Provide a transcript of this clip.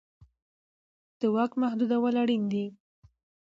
د واک محدودول اړین دي